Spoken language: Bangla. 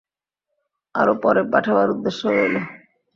আরও পরে পাঠাবার উদ্দেশ্য রইল।